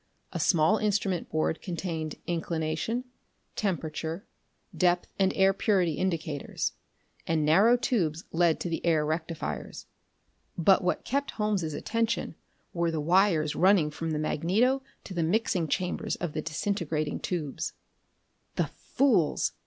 A small instrument board contained inclination, temperature, depth and air purity indicators, and narrow tubes led to the air rectifiers. But what kept Holmes' attention were the wires running from the magneto to the mixing chambers of the disintegrating tubes. "The fools!"